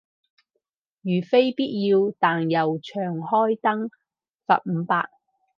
如非必要但又長開燈，罰五百